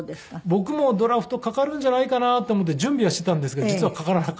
僕もドラフトかかるんじゃないかなと思って準備はしていたんですけど実はかからなかったんですよね。